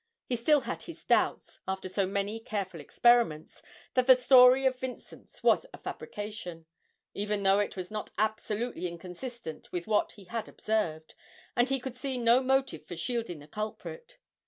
He still had his doubts, after so many careful experiments, that the story of Vincent's was a fabrication, even though it was not absolutely inconsistent with what he had observed, and he could see no motive for shielding the culprit.